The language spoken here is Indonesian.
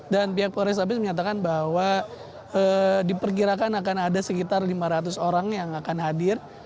pihak polres abes menyatakan bahwa diperkirakan akan ada sekitar lima ratus orang yang akan hadir